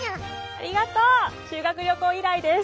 ありがとう！修学旅行以来です。